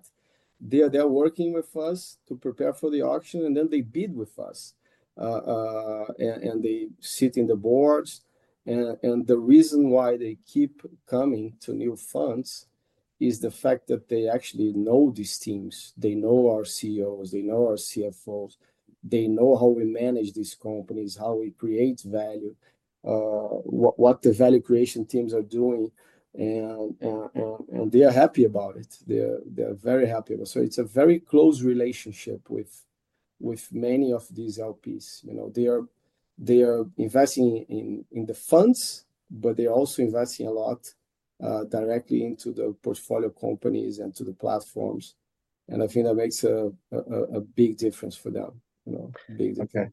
Speaker 3: they are working with us to prepare for the auction, and then they bid with us. They sit in the boards. The reason why they keep coming to new funds is the fact that they actually know these teams. They know our CEOs. They know our CFOs. They know how we manage these companies, how we create value, what the value creation teams are doing. They are happy about it. They are very happy about it. It is a very close relationship with many of these LPs. They are investing in the funds, but they are also investing a lot directly into the portfolio companies and to the platforms. I think that makes a big difference for them.
Speaker 2: Okay.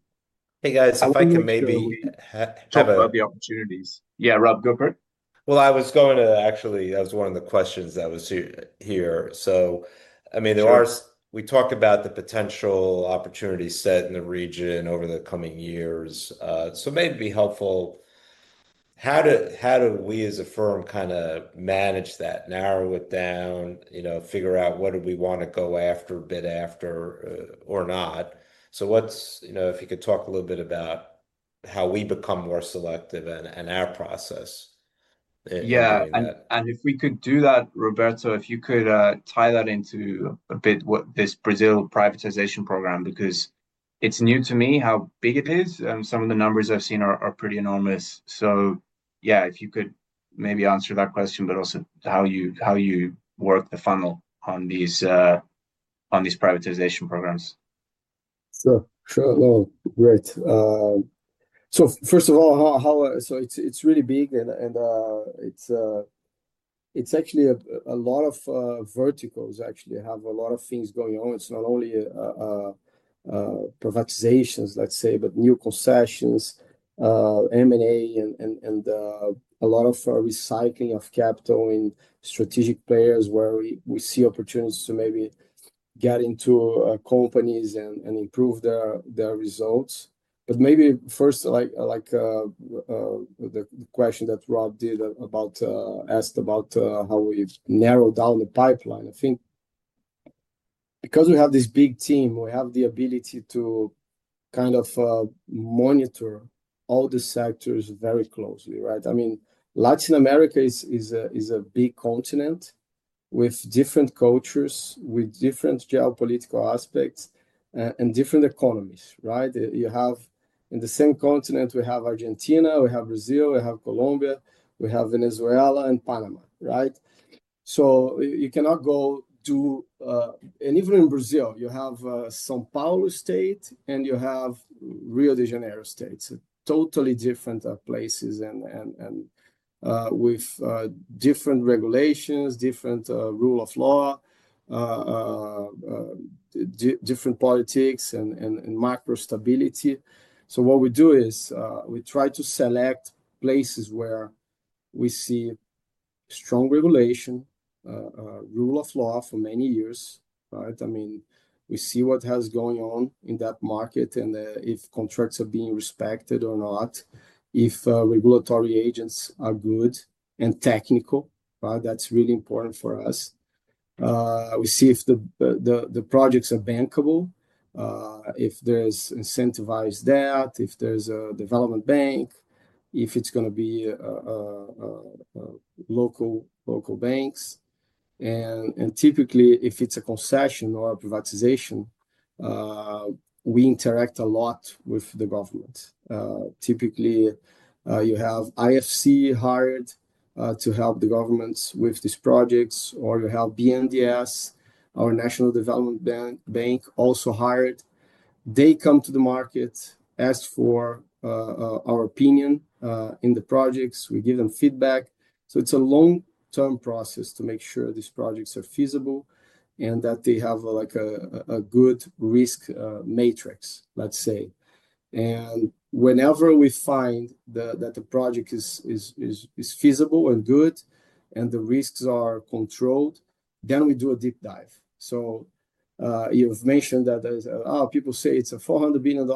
Speaker 2: Hey, guys, if I can maybe have a.
Speaker 1: I'll grab the opportunities.
Speaker 2: Yeah, Rob, go for it.
Speaker 1: I was going to actually, that was one of the questions that was here. I mean, we talked about the potential opportunity set in the region over the coming years. Maybe it would be helpful, how do we as a firm kind of manage that, narrow it down, figure out what do we want to go after a bit after or not? If you could talk a little bit about how we become more selective and our process.
Speaker 2: Yeah. If we could do that, Roberto, if you could tie that into a bit with this Brazil privatization program, because it's new to me how big it is. Some of the numbers I've seen are pretty enormous. Yeah, if you could maybe answer that question, but also how you work the funnel on these privatization programs.
Speaker 3: Sure. Sure. Great. First of all, it's really big. It's actually a lot of verticals actually have a lot of things going on. It's not only privatizations, let's say, but new concessions, M&A, and a lot of recycling of capital in strategic players where we see opportunities to maybe get into companies and improve their results. Maybe first, like the question that Rob asked about how we've narrowed down the pipeline. I think because we have this big team, we have the ability to kind of monitor all the sectors very closely, right? I mean, Latin America is a big continent with different cultures, with different geopolitical aspects, and different economies, right? In the same continent, we have Argentina, we have Brazil, we have Colombia, we have Venezuela, and Panama, right? You cannot go do and even in Brazil, you have São Paulo State and you have Rio de Janeiro State. Totally different places and with different regulations, different rule of law, different politics, and macro stability. What we do is we try to select places where we see strong regulation, rule of law for many years, right? I mean, we see what has going on in that market and if contracts are being respected or not, if regulatory agents are good and technical, right? That's really important for us. We see if the projects are bankable, if there's incentivized debt, if there's a development bank, if it's going to be local banks. Typically, if it's a concession or a privatization, we interact a lot with the government. Typically, you have IFC hired to help the governments with these projects, or you have BNDES, our National Development Bank, also hired. They come to the market, ask for our opinion in the projects. We give them feedback. It is a long-term process to make sure these projects are feasible and that they have a good risk matrix, let's say. Whenever we find that the project is feasible and good and the risks are controlled, we do a deep dive. You have mentioned that people say it is a $400 billion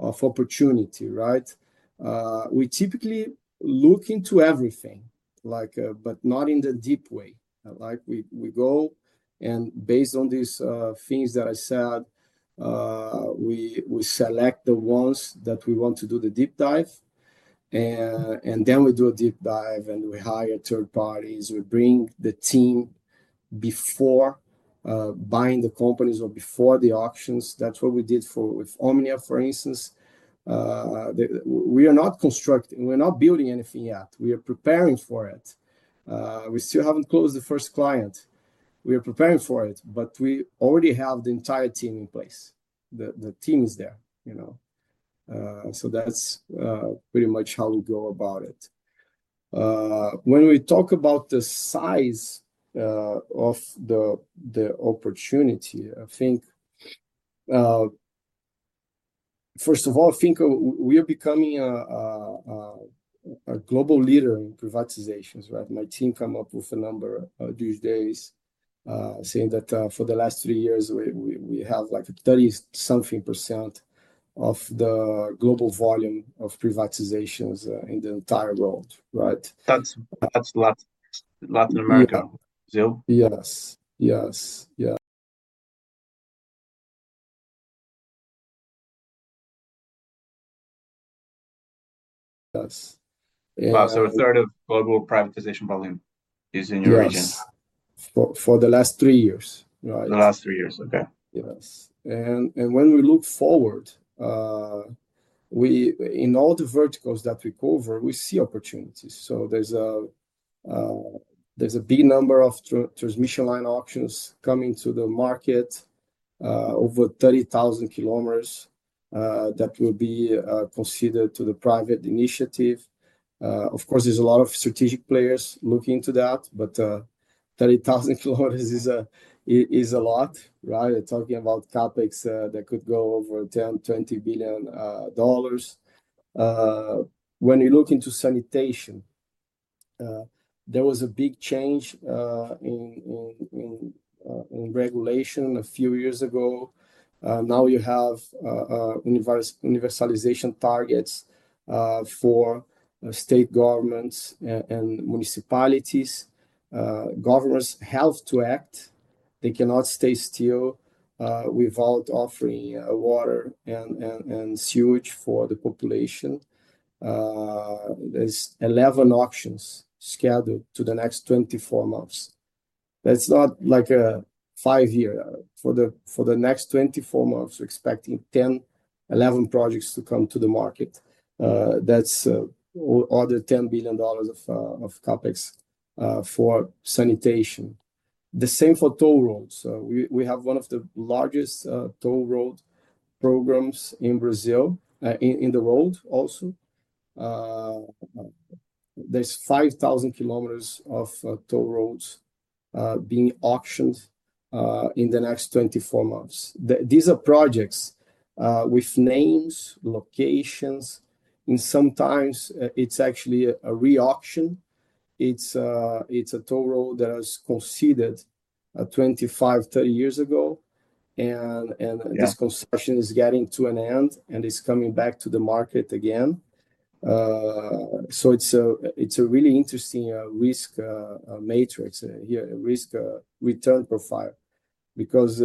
Speaker 3: opportunity, right? We typically look into everything, but not in the deep way. We go, and based on these things that I said, we select the ones that we want to do the deep dive. We do a deep dive and we hire third parties. We bring the team before buying the companies or before the auctions. That's what we did with Omnia, for instance. We are not constructing. We're not building anything yet. We are preparing for it. We still haven't closed the first client. We are preparing for it, but we already have the entire team in place. The team is there. That's pretty much how we go about it. When we talk about the size of the opportunity, I think, first of all, I think we are becoming a global leader in privatizations, right? My team came up with a number these days saying that for the last three years, we have like 30-something % of the global volume of privatizations in the entire world, right?
Speaker 2: That's Latin America. Brazil?
Speaker 3: Yes. Yes. Yeah.
Speaker 2: Wow. So a third of global privatization volume is in your region?
Speaker 3: Yes. For the last three years, right?
Speaker 2: The last three years. Okay.
Speaker 3: Yes. When we look forward, in all the verticals that we cover, we see opportunities. There is a big number of transmission line auctions coming to the market, over 30,000 km that will be considered to the private initiative. Of course, there are a lot of strategic players looking into that, but 30,000 km is a lot, right? Talking about CapEx, that could go over $10 billion-$20 billion. When you look into sanitation, there was a big change in regulation a few years ago. Now you have universalization targets for state governments and municipalities. Governments have to act. They cannot stay still without offering water and sewage for the population. There are 11 auctions scheduled for the next 24 months. That is not like a five-year. For the next 24 months, we are expecting 10-11 projects to come to the market. That is another $10 billion of CapEx for sanitation. The same for toll roads. We have one of the largest toll road programs in Brazil in the world also. There are 5,000 kilometers of toll roads being auctioned in the next 24 months. These are projects with names, locations. Sometimes it is actually a re-auction. It is a toll road that was conceded 25, 30 years ago. This concession is getting to an end, and it is coming back to the market again. It is a really interesting risk matrix here, risk return profile, because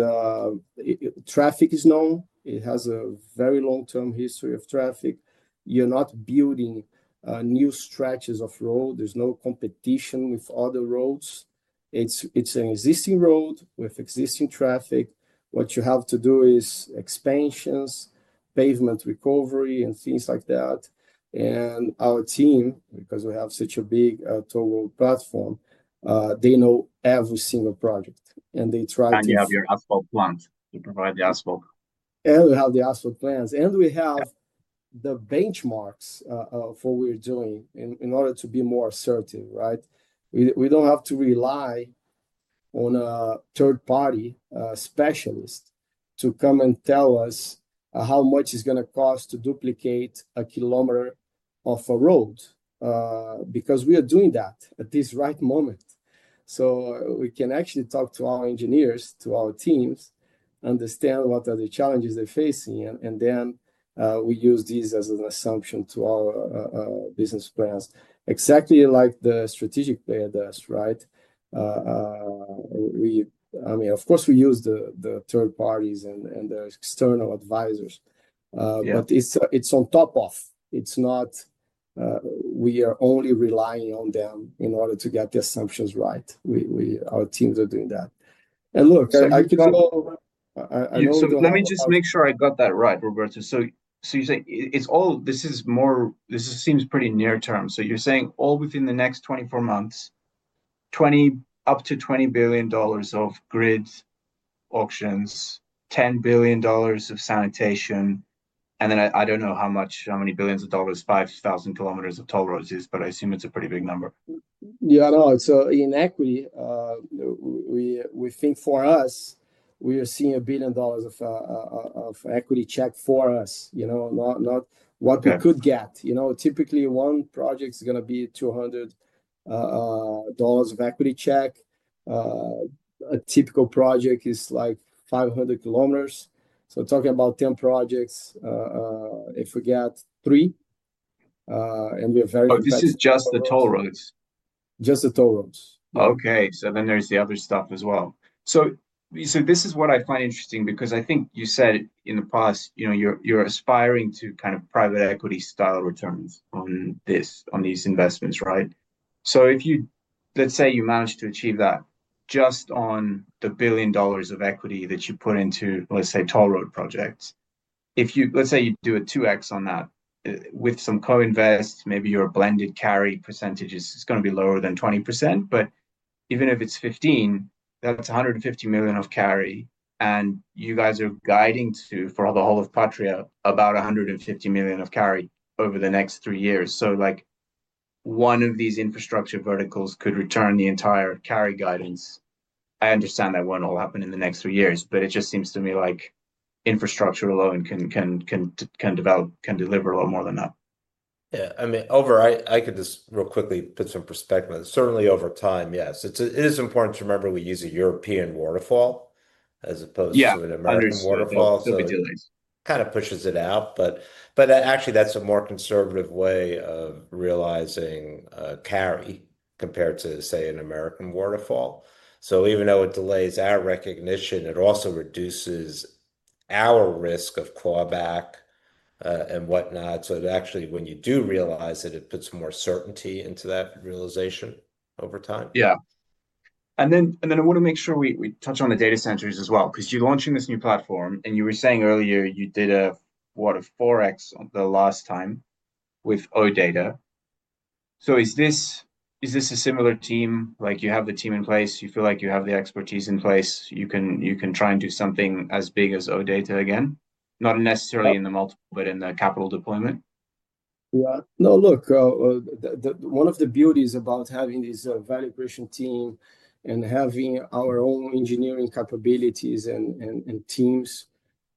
Speaker 3: traffic is known. It has a very long-term history of traffic. You are not building new stretches of road. There is no competition with other roads. It is an existing road with existing traffic. What you have to do is expansions, pavement recovery, and things like that. Our team, because we have such a big toll road platform, they know every single project. They try to.
Speaker 2: You have your asphalt plant to provide the asphalt.
Speaker 3: We have the asphalt plants. We have the benchmarks for what we're doing in order to be more assertive, right? We don't have to rely on a third-party specialist to come and tell us how much it's going to cost to duplicate a kilometer of a road because we are doing that at this right moment. We can actually talk to our engineers, to our teams, understand what are the challenges they're facing. We use these as an assumption to our business plans, exactly like the strategic player does, right? I mean, of course, we use the third parties and the external advisors. It is on top of. It is not that we are only relying on them in order to get the assumptions right. Our teams are doing that. Look, I know.
Speaker 2: Let me just make sure I got that right, Roberto. You say this seems pretty near-term. You're saying all within the next 24 months, up to $20 billion of grid auctions, $10 billion of sanitation. I don't know how many billions of dollars 5,000 km of toll roads is, but I assume it's a pretty big number.
Speaker 3: Yeah, no. In equity, we think for us, we are seeing a billion dollars of equity check for us, not what we could get. Typically, one project is going to be $200 million of equity check. A typical project is like 500 km. Talking about 10 projects, if we get three, and we are very high.
Speaker 1: This is just the toll roads.
Speaker 3: Just the toll roads.
Speaker 1: Okay. Then there is the other stuff as well. This is what I find interesting because I think you said in the past, you are aspiring to kind of private equity style returns on these investments, right? Let's say you managed to achieve that just on the $1 billion of equity that you put into, let's say, toll road projects. Let's say you do a 2X on that with some co-invest. Maybe your blended carry percentage is going to be lower than 20%. Even if it is 15%, that is $150 million of carry. You guys are guiding for the whole of Patria about $150 million of carry over the next three years. One of these infrastructure verticals could return the entire carry guidance. I understand that won't all happen in the next three years, but it just seems to me like infrastructure alone can deliver a lot more than that.
Speaker 2: Yeah. I mean, over, I could just real quickly put some perspective. Certainly over time, yes. It is important to remember we use a European waterfall as opposed to an American waterfall.
Speaker 1: Yeah. Understood. It'll be delayed.
Speaker 2: Kind of pushes it out. Actually, that's a more conservative way of realizing carry compared to, say, an American waterfall. Even though it delays our recognition, it also reduces our risk of clawback and whatnot. Actually, when you do realize it, it puts more certainty into that realization over time.
Speaker 1: Yeah. I want to make sure we touch on the data centers as well because you're launching this new platform, and you were saying earlier you did a 4X the last time with OData. Is this a similar team? You have the team in place. You feel like you have the expertise in place. You can try and do something as big as OData again, not necessarily in the multiple but in the capital deployment?
Speaker 3: Yeah. No, look, one of the beauties about having this value creation team and having our own engineering capabilities and teams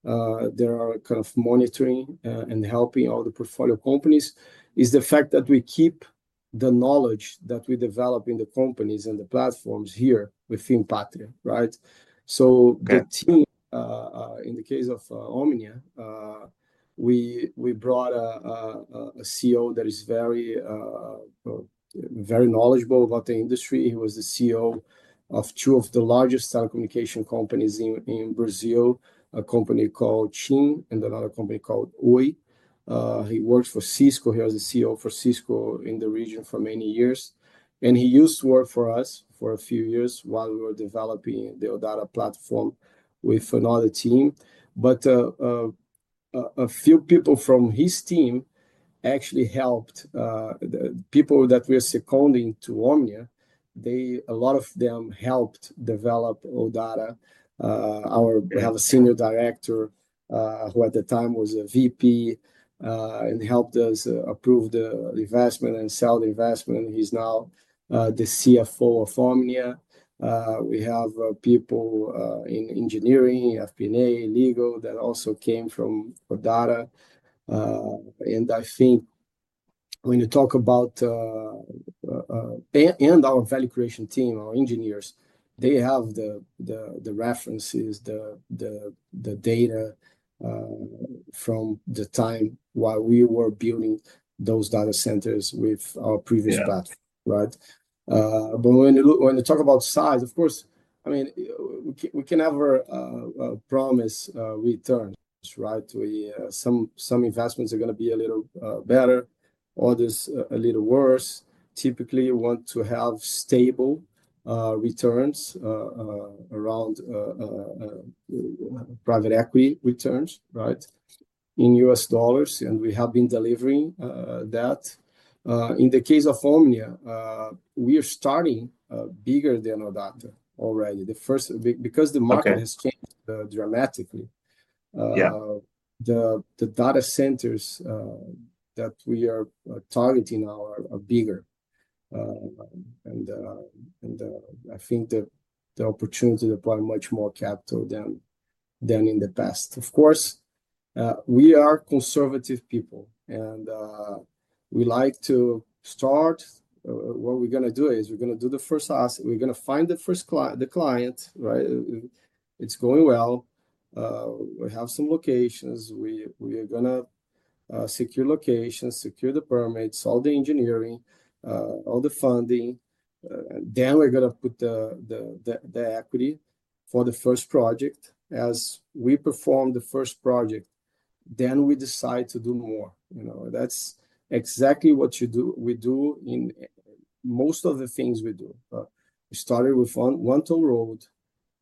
Speaker 3: that are kind of monitoring and helping all the portfolio companies is the fact that we keep the knowledge that we develop in the companies and the platforms here within Patria, right? The team, in the case of Omnia, we brought a CEO that is very knowledgeable about the industry. He was the CEO of two of the largest telecommunication companies in Brazil, a company called TIM and another company called Oi. He worked for Cisco. He was the CEO for Cisco in the region for many years. He used to work for us for a few years while we were developing the Odata platform with another team. A few people from his team actually helped. The people that we are seconding to Omnia, a lot of them helped develop OData. We have a Senior Director who at the time was a VP and helped us approve the investment and sell the investment. He's now the CFO of Omnia. We have people in engineering, FP&A, legal that also came from OData. I think when you talk about our value creation team, our engineers, they have the references, the data from the time while we were building those data centers with our previous platform, right? When you talk about size, of course, I mean, we can never promise returns, right? Some investments are going to be a little better, others a little worse. Typically, you want to have stable returns around private equity returns, right, in U.S. dollars. We have been delivering that. In the case of Omnia, we are starting bigger than OData already because the market has changed dramatically. The data centers that we are targeting now are bigger. I think the opportunity to apply much more capital than in the past. Of course, we are conservative people, and we like to start. What we're going to do is we're going to do the first asset. We're going to find the client, right? It's going well. We have some locations. We are going to secure locations, secure the permits, all the engineering, all the funding. We're going to put the equity for the first project. As we perform the first project, we decide to do more. That's exactly what we do in most of the things we do. We started with one toll road.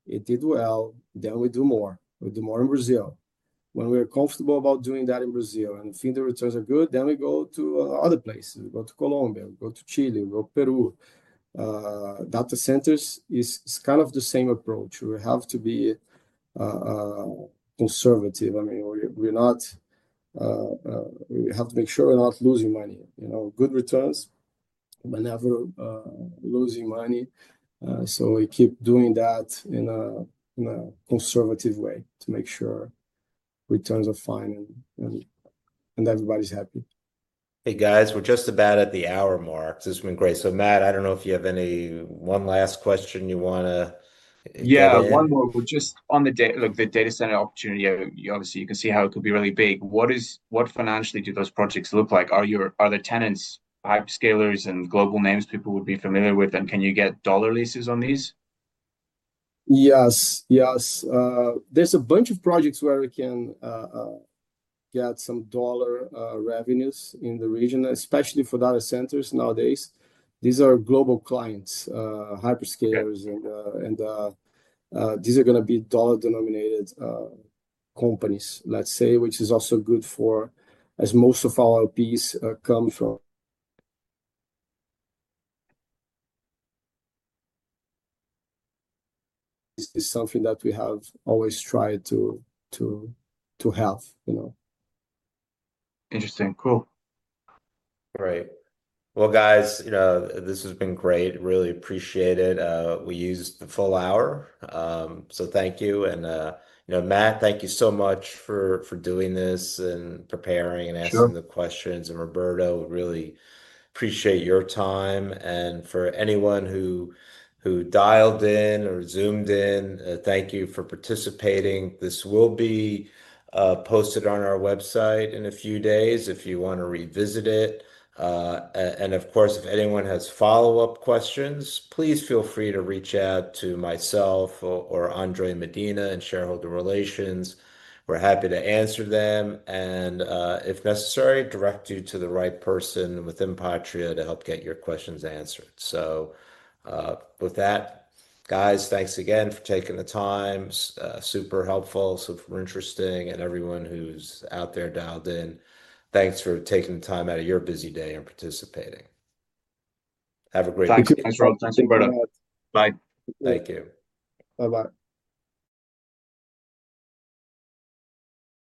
Speaker 3: It did well. We do more. We do more in Brazil. When we are comfortable about doing that in Brazil and think the returns are good, we go to other places. We go to Colombia. We go to Chile. We go to Peru. Data centers is kind of the same approach. We have to be conservative. I mean, we have to make sure we're not losing money. Good returns, but never losing money. We keep doing that in a conservative way to make sure returns are fine and everybody's happy.
Speaker 1: Hey, guys, we're just about at the hour mark. This has been great. Matt, I don't know if you have any one last question you want to.
Speaker 2: Yeah, one more. Just on the data center opportunity, obviously, you can see how it could be really big. What financially do those projects look like? Are the tenants hyperscalers and global names people would be familiar with? Can you get dollar leases on these?
Speaker 3: Yes. Yes. There are a bunch of projects where we can get some dollar revenues in the region, especially for data centers nowadays. These are global clients, hyperscalers. And these are going to be dollar-denominated companies, let's say, which is also good for us. Most of our peers come from this. This is something that we have always tried to have.
Speaker 2: Interesting. Cool.
Speaker 1: Great. Guys, this has been great. Really appreciate it. We used the full hour. Thank you. Matt, thank you so much for doing this and preparing and answering the questions. Roberto, really appreciate your time. For anyone who dialed in or Zoomed in, thank you for participating. This will be posted on our website in a few days if you want to revisit it. Of course, if anyone has follow-up questions, please feel free to reach out to myself or Andre Medina in shareholder relations. We are happy to answer them. If necessary, we will direct you to the right person within Patria to help get your questions answered. With that, guys, thanks again for taking the time. Super helpful, super interesting. Everyone who is out there dialed in, thanks for taking the time out of your busy day and participating. Have a great day.
Speaker 3: Thank you. Thanks, Robert. Bye.
Speaker 2: Thank you.
Speaker 3: Bye-bye.